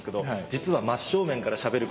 実は。